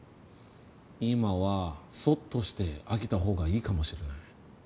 今はそっとしてあげたほうがいいかもしれない。